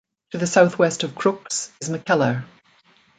To the southwest of Crookes is McKellar.